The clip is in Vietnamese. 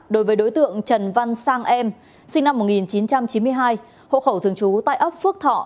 đối với đối tượng trần văn sang em sinh năm một nghìn chín trăm chín mươi hai hộ khẩu thường trú tại ấp phước thọ